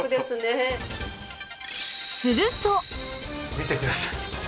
見てください。